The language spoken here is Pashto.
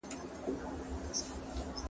پروردګار موږ ته هر څه راکړي دي.